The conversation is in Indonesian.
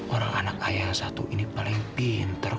orang anak ayah satu ini paling pinter